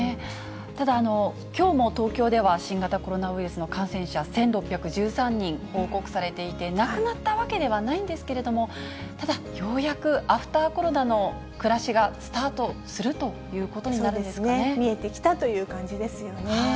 ただ、きょうも東京では新型コロナウイルスの感染者１６１３人報告されていて、なくなったわけではないんですけれども、ただ、ようやくアフターコロナの暮らしがスタートするということになるそうですね、見えてきたという感じですよね。